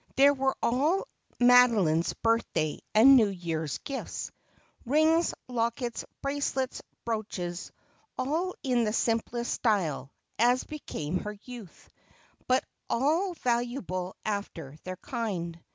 There were all Madeline's birthday and New Year gifts : rings, lockets, bracelets, brooches, all in the simplest style, as became her youth, but all valuable after their kind.